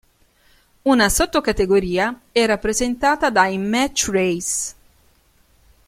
Una sottocategoria è rappresentata dai "Match Race".